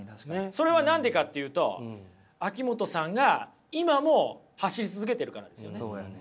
それは何でかっていうと秋元さんが今も走り続けてるからですよね。